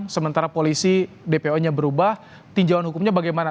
sementara polisi dpo nya berubah tinjauan hukumnya bagaimana